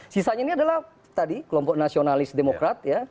sisanya ini adalah tadi kelompok nasionalis demokrat ya